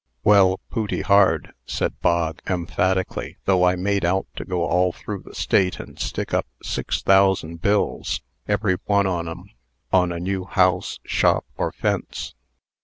"Well, pooty hard," said Bog, emphatically, "though I made out to go all through the State, and stick up six thousand bills, every one on 'em on a new house, shop, or fence.